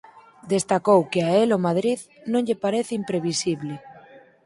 Destacou que a el o Madrid non lle parece imprevisible: